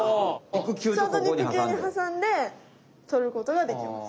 ちゃんと肉球にはさんでとることができます。